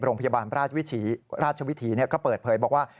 โรงพยาบาลราชวิถีก็เปิดเผยบอกว่า